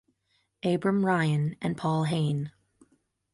Abram Ryan, and Paul Hayne.